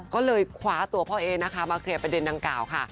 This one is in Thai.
ก็เลยคว้าตัวพ่อเอ๊นะคะมาเคลียร์ประเด็นดังกล่าวค่ะ